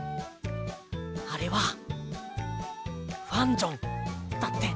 あれは「ファンジョン」だって。